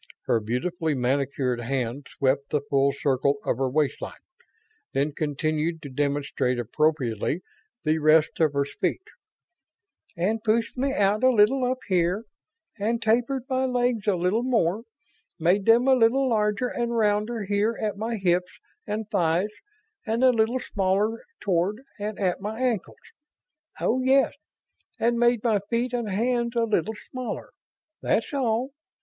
Her beautifully manicured hands swept the full circle of her waistline, then continued to demonstrate appropriately the rest of her speech: "... and pushed me out a little up here and tapered my legs a little more made them a little larger and rounder here at my hips and thighs and a little smaller toward and at my ankles. Oh, yes, and made my feet and hands a little smaller. That's all.